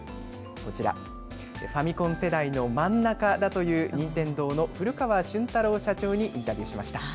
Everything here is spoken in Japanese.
こちら、ファミコン世代の真ん中だという任天堂の古川俊太郎社長にインタビューしました。